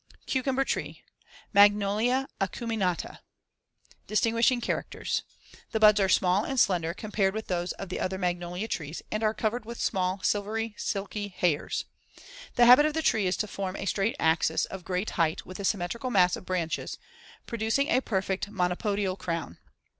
] CUCUMBER TREE (Magnolia acuminata) Distinguishing characters: The *buds* are small and slender compared with those of the other magnolia trees and are covered with small silvery silky hairs. The *habit* of the tree is to form a straight axis of great height with a symmetrical mass of branches, producing a perfect monopodial crown.